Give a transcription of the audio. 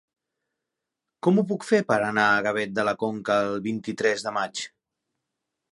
Com ho puc fer per anar a Gavet de la Conca el vint-i-tres de maig?